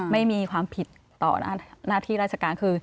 ไม่มีความผิดต่อหน้าที่ราชการคือ